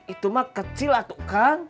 itu mah kecil atau kang